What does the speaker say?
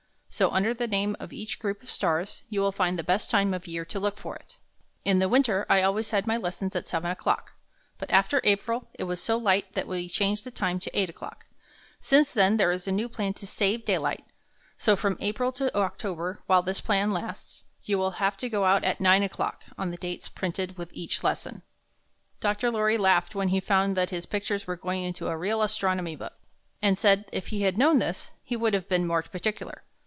So under the name of each group of stars, you will find the best time of year to look for it. In the winter, I always had my lessons at seven o'clock, but after April it was so light that we changed the time to eight o'clock. Since then, there is a new plan to SAVE DAYLIGHT, so from April to October while this plan lasts, you will have to go out at nine o'clock on the dates printed with each lesson. Dr. Lorry laughed when he found that his pictures were going into a real Astronomy book, and said if he had known this, he would have been more particular.